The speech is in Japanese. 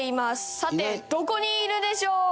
さてどこにいるでしょう？